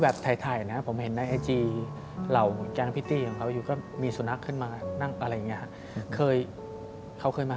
บ๊วยบ๊วยแต่ไม่มีเลย